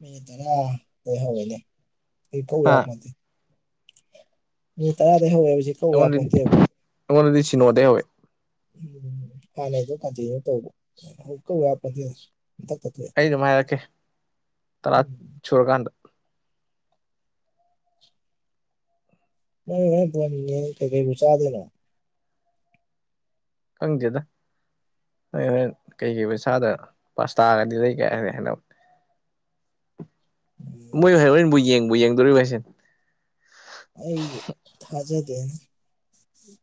Metre ꯍꯒꯅꯦ ꯑꯩ ꯐꯎ ꯍꯥ ꯌꯥ ꯃ ꯃꯤ ꯇꯔꯗ ꯍ ꯄ ꯀꯧ ꯌꯥꯣꯗ ꯑꯩꯉꯣꯟꯗꯗꯤ ꯑꯩꯉꯣꯟꯗꯗꯤ ꯁꯤꯅꯣꯗꯩ ꯍꯧꯋꯦ ꯎꯝ ꯍꯥꯟꯅꯩꯗꯣ ꯀꯟꯇꯤꯅ꯭ꯌꯨ ꯇꯧꯕꯨꯛ ꯀ ꯍꯥꯄꯗ ꯑꯩ ꯅꯨꯡꯉꯥꯏꯔꯛꯀꯦ ꯇꯔꯥ ꯁꯨꯔꯀꯥꯟꯗ ꯃꯣꯏ ꯃ ꯐꯉ ꯀꯩꯀꯩꯕꯨ ꯆꯥꯗꯣꯏꯅꯣ ꯈꯪꯗꯦꯗ ꯅꯣꯏ ꯍꯣꯔꯦꯟ ꯀꯩ ꯀꯩ ꯏꯁꯥꯗ ꯄꯁ ꯇꯥꯔꯒꯗꯤ ꯂꯩ ꯀꯥꯏꯅꯤ ꯍꯥꯏꯅ ꯃꯣꯏ ꯍ ꯍꯣꯔꯦꯟꯕꯨ ꯌꯦꯡꯕꯨ ꯌꯦꯡꯗꯣꯔꯤꯕ ꯍꯥꯏꯁꯦ ꯑꯩꯗꯤ ꯊꯥꯖꯗꯦꯅꯦ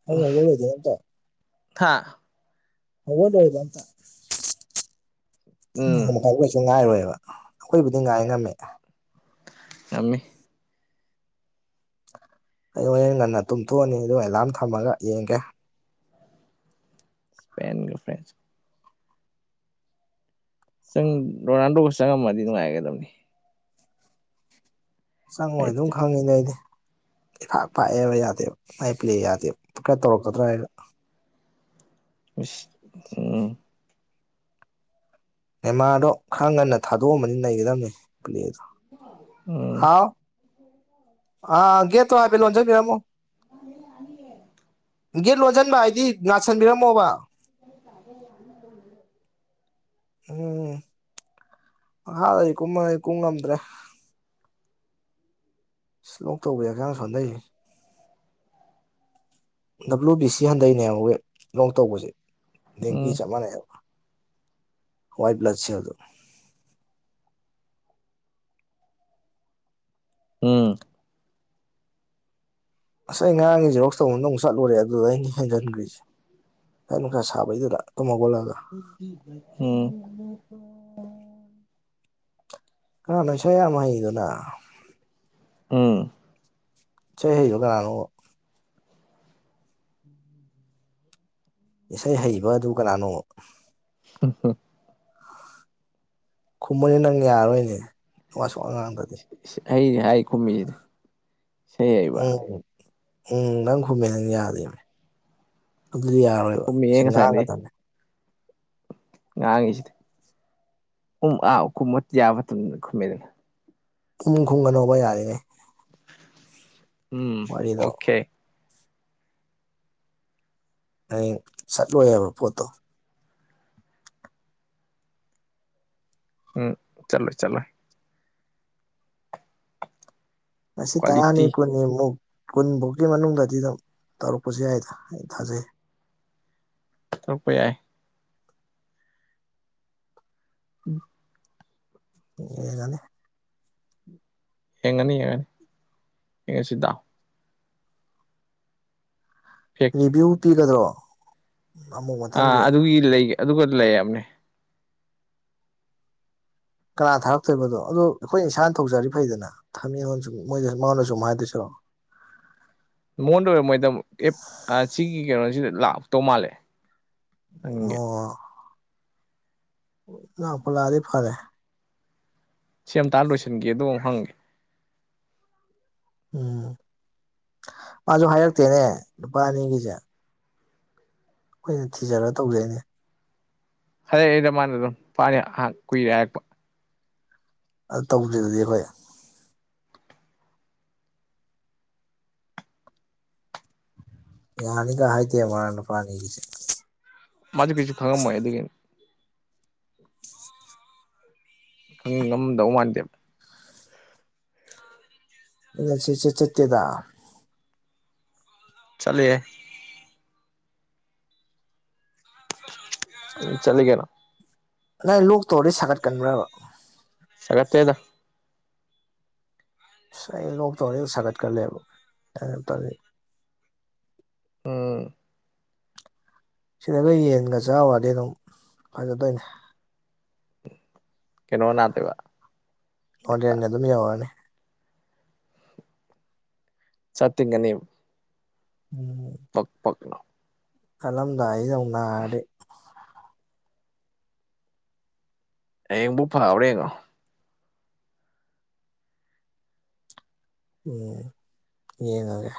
ꯑꯉꯧꯕꯔꯣꯏꯗꯣꯏ ꯑꯝꯇ ꯊꯥ ꯍꯗ ꯑꯣꯏꯕꯇ ꯎꯝ ꯑꯩꯈꯣꯏꯁꯨ ꯉꯥꯏꯔꯣꯏꯕ ꯑꯩꯈꯣꯏꯕꯨꯗꯤ ꯉꯥꯏ ꯉꯝꯃꯦ ꯊꯃꯤ ꯑꯩ ꯍꯣꯔꯡ ꯉꯟꯅ ꯇꯨꯝꯊꯣꯛꯑꯅꯤ ꯑꯗꯨꯒ ꯑꯦꯂꯥꯔꯝ ꯊꯝꯃꯒ ꯌꯦꯡꯒꯦ꯫ ꯢꯁꯄꯦꯟꯒ ꯐ꯭ꯔꯦꯟꯁ꯫ ꯆꯪ ꯔꯣꯅꯥꯜꯗꯣꯒ ꯆꯪꯉꯝꯃꯗꯤ ꯅꯨꯡꯉꯥꯏꯒꯗꯕꯅꯤ꯫ ꯆꯪꯉꯣꯏ ꯑꯗꯨꯝ ꯍꯥꯏꯗꯤ ꯈꯪꯉꯤꯅꯦ ꯑꯩꯗꯤ꯫ ꯏꯐꯥꯛ ꯄꯥꯛꯑꯦꯕ ꯌꯥꯗꯦꯕ ꯃꯥꯏ ꯄ꯭ꯂꯦ ꯌꯥꯗꯦꯕꯀꯔ ꯇꯧꯔꯛꯀꯗ꯭ꯔꯥ ꯍꯥꯏꯔ꯫ ꯏꯁ ꯎꯝ꯫ ꯅꯦꯃꯥꯗꯣ ꯈꯔ ꯉꯟꯅ ꯊꯥꯗꯣꯛꯑꯃꯗꯤ ꯅꯩꯒꯗꯕꯅꯦ ꯄꯨꯂꯦꯗꯣ ꯎꯝ ꯍꯥꯎ꯫ ꯑꯥ ꯒꯦ ꯇꯣ ꯍꯥꯏꯐꯦꯠ ꯂꯣꯟꯖꯟ ꯕꯤꯔꯝꯃꯣ꯫ ꯒꯦꯠ ꯂꯣꯟꯁꯤꯟꯕ ꯍꯥꯏꯗꯤ ꯉꯁꯤꯟꯕꯤꯔꯝꯃꯣꯕ꯫ ꯇꯕ ꯌꯥꯝ ꯎꯝ ꯃꯈꯥꯗꯗꯤ ꯀꯨꯝꯃꯉꯩ ꯀꯨꯝ ꯉꯝꯗ꯭ꯔꯦ [unintelligible] ꯗꯕ꯭ꯂꯨ ꯕꯤ ꯁꯤ ꯍꯟꯊꯩꯅꯦꯕ ꯑꯩꯣꯏ ꯂꯣꯛ ꯇꯧꯕꯁꯦ ꯎꯝ ꯦꯡꯒꯤ ꯆꯞ ꯃꯥꯟꯅꯩꯑꯕ ꯋꯥꯏꯠ ꯕ꯭ꯂꯁꯦꯔꯣ ꯎꯝ ꯑꯁ ꯑꯩ ꯉꯔꯥꯡꯒꯤꯁꯦ ꯔꯣꯛꯁ ꯇꯧꯗ ꯑꯃꯨꯛ ꯆꯠꯂꯨꯔꯦ ꯑꯗꯨꯗ ꯑꯩꯅ ꯍꯦꯟꯖꯟꯈ꯭ꯔꯤꯁꯦ ꯐ ꯅꯨꯡ ꯈꯥꯏ ꯁꯥꯕꯩꯗꯨꯗ ꯇꯨꯝꯃꯒꯣꯠꯂꯒ ꯎꯝ ꯈꯔ ꯅꯣꯏꯁꯥ ꯌꯥꯝ ꯍꯩꯗꯨꯅ꯫ ꯎꯝ꯫ ꯆꯩ ꯍꯥꯏꯗꯣ ꯀꯥꯅꯅꯣꯕ꯫ ꯏꯁꯩ ꯍꯩꯕ ꯑꯗꯨ ꯀꯅꯥꯅꯣ꯫ ꯍꯝ ꯍꯝ꯫ ꯈꯨꯝꯃꯨꯅꯤ ꯅꯪ ꯌꯥꯔꯣꯏꯅꯦ ꯋꯥ ꯁꯨꯉꯥ ꯉꯥꯡꯗꯔꯗꯤ ꯫ ꯑꯩꯅꯦ ꯍꯥꯏ ꯀꯨꯝꯃꯤꯁꯤꯗꯤ꯫ ꯎꯝ ꯎꯝ ꯅꯪ ꯈꯨꯝꯃꯦ ꯅꯪ ꯌꯥꯗꯦꯕ ꯑꯗꯨꯗꯤ ꯌꯥꯔꯣꯏꯕ꯫ ꯈꯨꯝꯃꯤꯍꯦ ꯉꯁꯥꯏꯗꯩ ꯁꯤꯡꯒꯥꯗꯕꯅꯦ꯫ ꯉꯥꯡꯉꯤꯁꯤꯗꯤ ꯎꯨꯝ ꯑꯥ ꯀꯨꯝꯃꯠ ꯌꯥꯕ ꯃꯇꯝꯗꯅ ꯈꯨꯝꯃꯦꯗꯅ꯫ ꯏꯝ ꯈꯨꯝꯒꯅꯣꯕ ꯌꯥꯔꯤꯉꯩ꯫ ꯎꯝ ꯋꯥꯔꯤꯗꯣ ꯑꯣꯀꯦ꯫ ꯑꯩ ꯁꯠꯂꯣꯏꯕ ꯄꯣꯠꯇꯣ꯫ ꯎꯝ ꯆꯠꯂꯣ ꯆꯠꯂꯣ꯫ ꯉꯁꯤ ꯇꯔꯥꯅꯤ ꯀ꯭ꯋꯥꯂꯤꯇꯤ ꯈꯨꯟꯅꯤꯃꯨꯛ꯫ ꯀꯨꯟꯕꯣꯛꯒꯤ ꯃꯅꯨꯡꯗꯗꯤ ꯑꯗꯨꯝ ꯇꯧꯔꯛꯄꯁꯨ ꯌꯥꯏꯗ ꯑꯩ ꯊꯥꯖꯩ꯫ ꯇꯧꯔꯛꯄ ꯌꯥꯏ꯫ ꯎꯝ꯫ ꯑꯦ ꯖꯅꯤ꯫ ꯌꯦꯡꯉꯅꯤ ꯌꯦꯔꯦ ꯌꯦꯡꯉꯁꯤꯗꯥ꯫ ꯐꯦꯛ ꯔꯤꯚꯤꯌꯨ ꯄꯤꯒꯗ꯭ꯔꯣ ꯑꯃꯨꯛ꯫ ꯑꯥ ꯃꯊꯪꯒꯤ ꯑꯗꯨꯒꯤ ꯂꯩ ꯑꯗꯨꯒ ꯂꯩ ꯍꯥꯢꯕꯅꯦ꯫ ꯀꯅꯥ ꯊꯥꯔꯛꯇꯣꯏꯕꯗꯣ ꯑꯗꯣ ꯑꯩꯈꯣꯏ ꯏꯁꯥꯅ ꯊꯧꯔꯗꯤ ꯐꯩꯗꯅ ꯊꯃꯦꯡꯉꯣꯟꯗ ꯁ ꯃꯣꯏꯁꯨ ꯃꯉꯣꯟꯗ ꯁꯨꯝ ꯍꯥꯏꯗꯣꯏ ꯁꯥꯔꯣꯛ꯫ ꯃꯉꯣꯟꯗ ꯑꯣꯏꯔꯝ ꯃꯣꯏꯗ ꯑꯦꯞ ꯁꯤꯒꯤ ꯀꯩꯅꯣꯁꯤꯗ ꯂꯥꯛꯇꯧ ꯃꯥꯜꯂꯦ꯫ ꯍꯪꯒꯦ ꯑꯣ ꯂꯥꯛꯄꯨ ꯂꯥꯛꯑꯗꯤ ꯐꯔꯦ꯫ ꯁꯦꯝ ꯑꯝꯇ ꯍꯥꯟꯅ ꯂꯣꯏꯁꯤꯟꯒꯦ ꯑꯗꯨꯒ ꯍꯪꯒꯦ꯫ ꯎꯝ ꯃꯥꯁꯨ ꯍꯥꯏꯔꯛꯇꯦꯅꯦ ꯅꯨꯨꯄꯥ ꯑꯅꯤꯒꯤꯁꯦ꯫ ꯑꯩꯈꯣꯏꯅ ꯊꯤꯖꯔꯒ ꯇꯧꯖꯩꯅꯦ꯫ [unintelligible] ꯃꯥꯅ ꯑꯗꯨꯝ ꯄꯥꯅꯤ ꯀꯨꯏꯔꯦ ꯍꯥꯏꯔꯛꯄ꯫ ꯑꯗꯨ ꯇꯧꯗ꯭ꯔꯤ ꯗꯨꯗꯤ ꯑꯩꯈꯣꯏ꯫ ꯌꯥꯅꯤꯒ ꯍꯥꯏꯗꯦꯕꯥ [unintelligible] ꯅꯨꯄꯥ ꯑꯅꯤꯗꯨꯁꯨ꯫ ꯃꯗꯨ ꯀꯩꯁꯨ ꯈꯪꯉꯝꯃꯣꯏ ꯑꯗꯨꯒꯤꯅꯤ ꯈꯪ ꯉꯝꯗꯧ ꯃꯥꯟꯗꯦꯕ ꯅꯦꯠꯁꯦ ꯏꯆꯠ ꯆꯠꯇꯦꯗ ꯆꯠꯔꯤꯍꯦ ꯆꯠꯂꯒꯦꯔꯣ ꯅꯪ ꯂꯣꯛ ꯇꯧꯔꯗꯤ ꯁꯥꯒꯠꯀꯟꯕ꯭ꯔꯕ ꯁꯥꯒꯠꯇꯦꯗ ꯑꯁ ꯑꯩ ꯂꯣꯛꯇꯧꯔꯗꯤ ꯁꯥꯒꯠꯀꯜꯂꯦꯕ [unintelligible] ꯎꯝ ꯁꯤꯗꯒ ꯌꯦꯟꯒ ꯆꯥꯎꯔꯗꯤ ꯑꯗꯨꯝ ꯐꯖꯗꯣꯏꯅꯤ ꯀꯩꯅꯣ ꯅꯥꯠꯇꯦꯕ꯫ ꯑꯣꯅꯦꯅ ꯑꯗꯨꯝ ꯌꯧꯔꯛꯑꯅꯤ꯫ ꯆꯠꯇꯤꯡꯒꯅꯤꯕ꯫ ꯎꯝ꯫ ꯄꯛ ꯄꯛ ꯂꯧꯅ꯫ ꯆꯠꯜꯂꯝꯗꯥꯏꯁꯤꯗ ꯑꯃꯨꯛ ꯅꯥꯔꯗꯤ꯫ ꯍꯌꯦꯡꯕꯨ ꯐꯥꯎꯔꯦ ꯌꯦꯡꯉꯣ꯫ ꯎꯝ ꯌꯦꯡꯉꯒꯦ꯫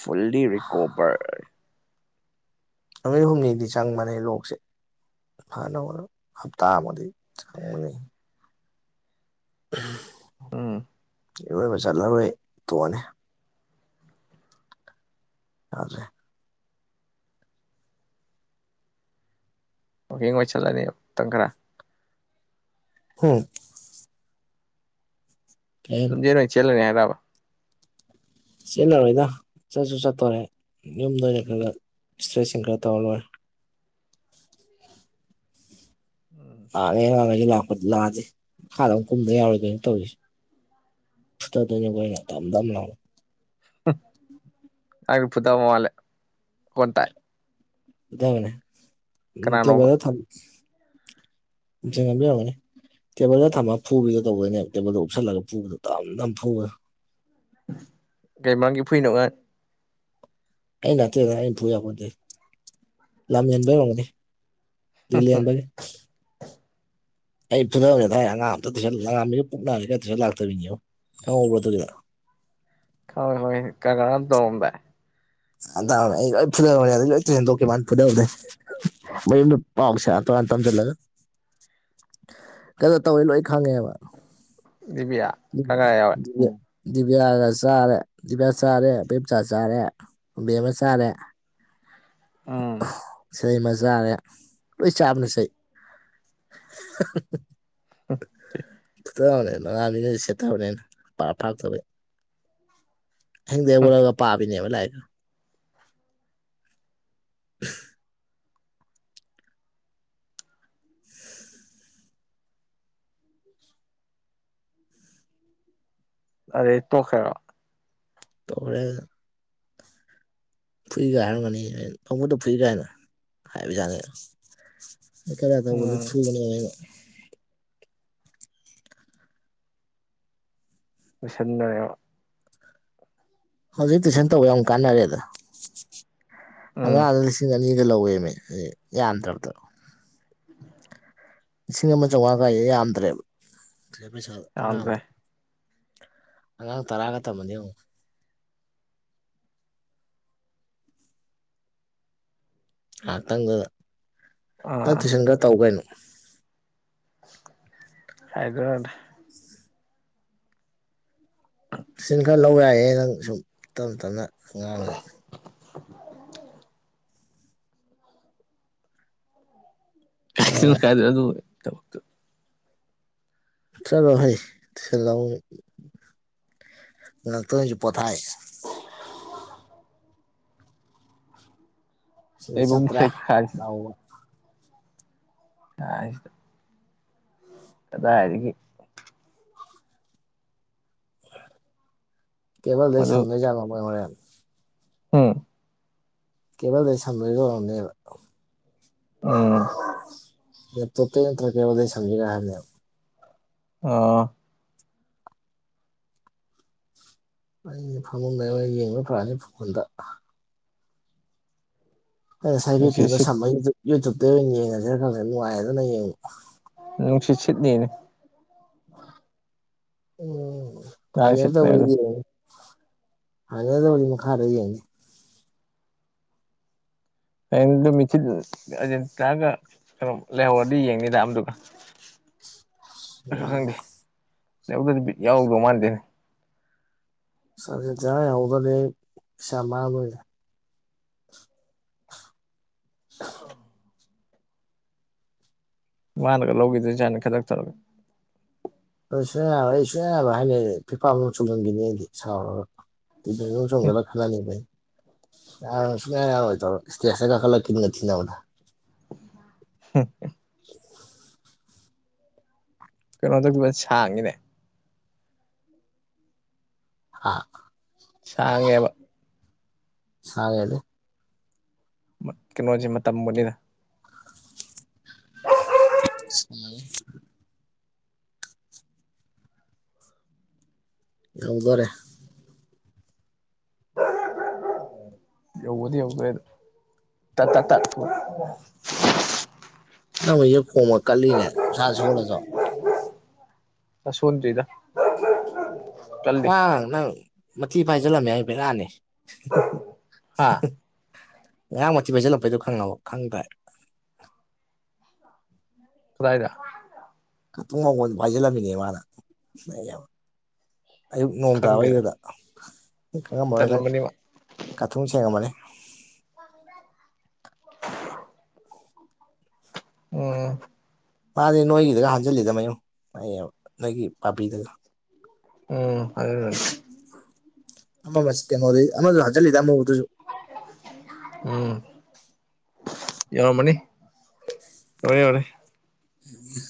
ꯐꯨꯜꯂꯤ ꯔꯤꯀꯣꯕꯔ꯫ ꯅꯨꯃꯤꯠ ꯍꯨꯝꯅꯤꯗꯤ ꯆꯪꯕꯅꯦ ꯂꯣꯛꯁꯦ꯫ ꯉꯥꯍꯟꯅꯣꯡꯃꯥ ꯍꯞꯇꯥ ꯑꯃꯗꯤ ꯈꯪꯕꯅꯤ [unintelligible] ꯎꯝ ꯏꯔꯣꯏꯕ ꯆꯠꯂꯔꯣꯏ ꯇꯣꯛꯑꯅꯤ ꯌꯥꯗꯔꯦ ꯋꯥꯀꯤꯡ ꯑꯣꯏ ꯆꯠꯂꯅꯤ ꯃꯇꯝ ꯈꯔ ꯎꯝ ꯀꯩ ꯂꯝꯖꯦꯜ ꯑꯣꯏꯅ ꯆꯦꯜꯂꯨꯒꯦ ꯍꯥꯏꯔꯕ ꯆꯦꯟꯅꯔꯣꯏꯗ ꯆꯠꯁꯨ ꯆꯠꯇꯣꯔꯦ ꯌꯨꯝꯗ ꯑꯣꯏꯅ ꯈꯔ ꯑꯦꯛꯁꯔꯁꯥꯏꯁꯤꯡ ꯈꯔ ꯇꯧꯔ ꯂꯣꯏꯔꯦ ꯎꯝ ꯂꯥꯡꯉꯦ ꯑꯉꯥꯡꯒꯩ ꯂꯥꯛꯄ ꯂꯤꯔꯖꯦ ꯃꯈꯥꯗ ꯑꯃꯨꯛ ꯀꯨꯝꯗ ꯌꯥꯎꯔꯣꯏꯗꯣꯏꯅꯤ ꯇꯧꯔꯤꯁꯦ ꯐꯨꯗꯗꯣꯏꯅꯤꯀꯣ ꯑꯩꯅ ꯗꯝ ꯗꯝ ꯂꯥꯎꯅ ꯎꯝ ꯑꯉꯥꯡ ꯐꯨꯗꯕ ꯃꯂꯦ ꯃꯈꯣꯟ ꯇꯥꯏ ꯐꯨꯗꯕꯅꯦ ꯀꯅꯥꯅꯣꯕ ꯇꯦꯕꯜꯗ ꯊꯝ [unintelligible] ꯇꯦꯕꯜꯗ ꯊꯝꯃꯒ ꯐꯨꯕꯤꯗꯣ ꯇꯧꯕꯗꯣꯏꯅꯦꯕ ꯇꯦꯕꯜꯗ ꯎꯞꯁꯜꯂꯒ ꯐꯨꯕꯗ ꯗꯝ ꯗꯝ ꯐꯨꯕꯗꯣ ꯀꯩ ꯃꯔꯝꯒꯤ ꯐꯨꯅꯣ ꯑꯉꯥꯡ ꯑꯩ ꯉꯥꯛꯇ ꯂꯩꯔꯒ ꯑꯩꯅ ꯐꯨ ꯌꯥꯄꯣꯟꯇꯦꯍꯦ ꯂꯝ ꯍꯦꯟꯕꯩ ꯑꯣꯔꯝꯒꯅꯤ ꯗꯜꯂꯦꯟꯕꯒꯤ ꯑꯩꯅ ꯐꯨꯗꯕꯅꯦ ꯊꯥꯏꯅ ꯑꯉꯥꯡ ꯑꯝꯇ ꯇꯨꯏꯁꯟ ꯃꯂꯦꯝꯉꯥꯟꯕꯤꯒ ꯄꯨꯛꯅꯔꯤꯒ ꯇꯨꯏꯁꯟ ꯂꯥꯛꯇꯕꯤꯅꯤ ꯈꯪꯍꯧꯕ꯭ꯔꯥ ꯑꯗꯨꯗꯤ ꯈꯪꯍꯧꯋꯦ ꯈꯪꯍꯧꯋꯦ ꯀꯅꯥ ꯀꯅꯥꯅꯣ ꯌꯥꯝ ꯇꯝꯃꯝꯗꯥꯏ [unintelligible] ꯑꯗꯩ ꯂꯣꯏ ꯇꯨꯏꯁꯟ ꯇꯣꯛꯈꯤꯕꯋꯥꯅꯤ ꯐꯨꯗꯥꯕꯗꯩ ꯃꯌꯨꯝꯗ ꯄꯥꯎ ꯁꯦꯔꯥꯟ ꯇꯨꯔꯥꯟ ꯇꯝꯖꯤꯜꯂꯒ ꯈꯔꯖꯨ ꯇꯧꯋꯦ ꯂꯣꯏ ꯈꯪꯉꯦꯕ ꯗꯤꯕꯤꯌꯥ ꯀꯪꯒ꯭ꯔꯥ ꯌꯥꯎꯋꯦ ꯗꯤꯕꯤꯌꯥꯒ ꯆꯥꯔꯦ ꯗꯤꯕꯤꯌꯥ ꯆꯥꯔꯦ ꯏꯕꯦꯝꯆꯥ ꯆꯥꯔꯦ ꯕꯦꯝꯃ ꯆꯥꯔꯦ ꯎꯝ ꯁꯤꯂꯩꯃ ꯆꯥꯥꯔꯦ ꯂꯣꯏ ꯆꯥꯕꯅ ꯆꯩ [inaudible] [unintelligible] ꯁꯦꯠꯊꯕꯅꯦ ꯑꯩꯅ ꯄꯥꯔꯥ ꯐꯥꯔꯛꯇꯕꯩ ꯑꯍꯤꯡꯗꯩ ꯍꯧꯒꯠꯔꯒ ꯄꯥꯕꯤꯅꯦꯕ ꯂꯥꯏꯔꯤꯀ [inaudible] ꯑꯗꯩ ꯇꯣꯛꯈꯦꯔꯣ ꯇꯣꯛꯈ꯭ꯔꯦ ꯑꯗꯨꯝ ꯐꯨꯏꯒ ꯍꯥꯏꯔꯝꯒꯅꯤ ꯑ ꯐꯪꯕꯗ ꯐꯨꯏ ꯀꯥꯏꯅ ꯍꯥꯏꯕ ꯌꯥꯥꯅꯤ ꯑꯩꯀꯦꯕ ꯎꯝ ꯊꯨꯕꯅ ꯂꯣꯏꯁꯤꯟꯅꯔꯦ ꯍꯧꯖꯤꯛ ꯇꯨꯏꯁꯟ ꯇꯧꯕ ꯌꯥꯝ ꯀꯥꯟꯅꯔꯦ ꯑꯗ ꯎꯝ ꯑꯉꯥꯡꯗ ꯂꯤꯁꯤꯡ ꯑꯅꯤ ꯑꯅꯤꯒ ꯂꯧꯋꯦꯃꯦ ꯌꯥꯝꯗ꯭ꯔꯕꯗꯣ ꯎꯝ ꯂꯤꯁꯤꯡ ꯑꯃ ꯆꯥꯝꯃꯉꯥ ꯀꯥꯏꯁꯦ ꯌꯥꯝꯗ꯭ꯔꯦꯕ ꯄꯩꯁꯥ ꯌꯥꯗ꯭ꯔꯦ ꯑꯉꯥꯡꯗ ꯑꯉꯥꯡ ꯇꯔꯥꯒ ꯇꯝꯃꯅꯤ ꯑꯃꯨꯛ ꯉꯥꯏꯍꯥꯛꯇꯪꯗꯨꯗ ꯅꯪ ꯑꯥ ꯇꯨꯏꯁꯟ ꯈꯔ ꯇꯧꯒꯩꯅꯣ ꯍꯥꯏꯒ꯭ꯔꯗ [unintelligible] ꯇꯨꯏꯁꯟ ꯈꯔ ꯂꯧ ꯌꯥꯏꯌꯦ ꯅꯪ ꯁꯨꯝ ꯇꯞꯅ ꯇꯞꯅ ꯑꯉꯥꯡꯉꯩ ꯂꯧꯋꯦ [unintelligible] ꯀꯥꯏꯗꯦ ꯑꯗꯨꯏꯗꯃꯛꯇ ꯆꯠꯂꯣ ꯍꯩ ꯊꯜꯂ ꯉꯥꯛꯇꯣꯏꯁꯨ ꯄꯣꯊꯥꯏ ꯁꯤꯗ ꯆꯠꯇ꯭ꯔꯦ [unintelligible] [unintelligible] [inaudible] ꯀꯗꯥꯏꯗꯒꯤ ꯀꯦꯕꯜꯗꯩ ꯃꯗꯨ ꯁꯝꯗꯣꯏ ꯖꯥꯠꯔꯣ ꯃꯣꯏ ꯍꯣꯔꯦꯟ ꯎꯝ ꯀꯦꯕꯜꯗ ꯁꯗꯣꯏꯒꯅꯦꯕ ꯎꯝ ꯇꯣꯞꯄꯇꯩ ꯅꯠꯇ꯭ꯔꯀꯦꯕꯗꯩ ꯁꯝꯖꯔꯦ ꯍꯥꯏꯕꯅꯦꯕ ꯑ ꯑꯩꯁ ꯐꯪꯉꯝꯗꯉ ꯌꯦꯡꯕ ꯄꯥꯅꯤ ꯐꯣꯟꯗ ꯑꯩ ꯉꯁꯥꯏ ꯕꯤ ꯅꯨꯡꯁꯤꯠ ꯐꯤꯗꯣ ꯁꯤꯠ ꯁ ꯌꯨꯇꯌꯨꯞꯇ ꯑꯣꯏꯅ ꯌꯦꯡꯉꯁꯤꯔ ꯈ ꯅꯨꯡꯉꯥꯏꯌꯦꯗꯅ ꯌꯦꯡꯕ ꯅꯨꯡꯁꯤꯁꯤꯗꯅꯤꯅꯦ ꯎꯝ ꯅꯍꯥꯟ ꯐꯥꯏꯅꯦꯜ ꯁꯤꯠꯄꯅꯦ ꯇꯧꯕꯗꯤ ꯑꯗꯨ ꯌꯦꯡꯉ ꯐꯥꯏꯅꯦꯜ ꯇꯧꯕꯅꯤ ꯃꯈꯥꯔ ꯌꯦꯡꯉ ꯍꯌꯦꯡꯗꯣ ꯃꯤꯆꯤꯠ ꯑꯦꯖꯦꯟ ꯆꯑꯒ ꯀꯩꯅꯣ ꯂꯩꯍꯧꯔꯗꯤ ꯌꯦꯡꯅꯤꯗ ꯑꯃꯗꯨꯒ [inaudible] ꯎꯝ ꯈꯪꯗꯦ ꯅꯗꯗꯤꯕꯤ ꯌꯥꯎꯗꯧ ꯃꯥꯟꯗꯦꯅꯦ ꯆꯁꯦ ꯆꯔ ꯌꯥꯎꯗꯅꯦ ꯑꯩ ꯄꯩꯁꯥ ꯃꯥꯡꯗꯣꯏꯔꯦ [inaudible] ꯃꯥꯅꯒ ꯂꯧꯈꯤꯗꯣꯏ ꯆꯥꯅ ꯈꯈꯤꯗꯛꯇ ꯊꯧꯔꯒꯦ ꯑ ꯁ ꯑꯩ ꯁꯨꯡꯌꯥ ꯌꯥꯅꯕ ꯍꯥꯏꯅꯩ ꯐꯤꯐꯥꯃ ꯆꯨꯝꯍꯟꯈꯤꯅꯤꯗꯤ ꯁꯥꯎꯔꯒ ꯆꯒꯦꯂ ꯈꯂꯅꯤ ꯌꯥꯔ ꯁꯨꯡꯛꯌꯥ ꯌꯥꯔꯣꯏ ꯇꯧꯔꯣ ꯏꯁꯇꯦꯖꯇ ꯀꯥꯈꯠꯂꯛꯈꯤꯅꯤꯒ ꯊꯤꯅꯕꯗ ꯎ [inaudible] ꯀꯩꯅꯣ ꯇꯧꯕ ꯁꯥꯡꯉꯤꯅꯦ ꯍꯥ ꯁꯥꯡꯉꯦꯕ ꯁꯋꯦ ꯑꯗꯨ ꯀꯩꯅꯣꯁꯦ ꯇꯕꯅꯤꯅ ꯀꯦ ꯌꯥꯎꯗꯣꯔꯦ ꯌꯧꯗꯤ ꯌꯧꯒꯦ ꯇ ꯇ ꯇ ꯅꯪ ꯍꯧꯖꯤ ꯈꯣꯝꯃ ꯀꯂꯤꯅꯦꯦ ꯁꯥꯥ ꯁꯨꯔꯁꯨꯣ ꯑ ꯁꯨꯅ ꯆꯗ ꯑ ꯅꯪ ꯃꯊꯤ ꯄꯥꯏꯁꯤꯜꯂꯝꯃꯦ ꯍꯥꯏꯐ ꯂꯛꯑꯅꯤ ꯍꯥ ꯉꯍꯥꯛ ꯃꯨꯊꯤ ꯄꯩꯁꯤꯜꯂꯛꯄꯩꯗꯣ ꯈꯪꯉꯕ ꯈꯪꯗ꯭ꯔꯥꯏ ꯁꯗꯥꯥꯏꯗ ꯀꯇꯨꯡ ꯉꯒꯣꯟ ꯐꯥꯏꯖꯤꯜꯂꯝꯃꯤꯅꯦ ꯃꯥꯅꯕ ꯑꯌꯨꯛ ꯅꯣꯡ ꯈꯪꯗꯦꯗ ꯇꯥꯕꯩꯗꯨꯗ ꯈꯪꯉꯝꯃꯣꯏꯅ ꯇꯜꯂꯝꯃꯅꯤ ꯃꯥ ꯀꯥꯊꯨꯡ ꯁꯦꯡꯉꯝꯃꯅꯤ [inaudible] ꯎꯝ ꯃꯥꯅꯦ ꯅꯣꯏꯒꯤꯗꯒ ꯍꯥꯟꯖꯤꯜꯂꯤꯗ ꯃꯌꯨ ꯑꯩ ꯅꯣꯏꯒꯤ ꯄꯥꯕꯤꯗꯒ ꯎꯝ ꯑꯗꯨ ꯑꯃ ꯃꯁ ꯀ ꯃꯗꯤ ꯑꯃꯃꯗꯨ ꯍꯖꯜꯗ ꯑꯃꯃꯗꯨꯁꯨ ꯎꯝ ꯌꯥꯔ ꯃꯅꯤ ꯍꯔꯦ ꯌꯥꯔꯦ ꯑꯩꯒꯤ